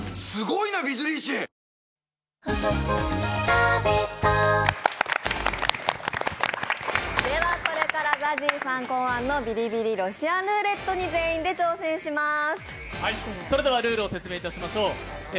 「ラヴィット！」でもではこれからＺＡＺＹさん考案のビリビリロシアンルーレットに全員で挑戦します。